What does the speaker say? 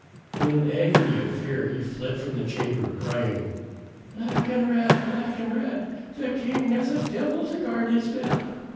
In an agony of fear he fled from the chamber, crying, "Black and red! black and red! The king has a devil to guard his bed."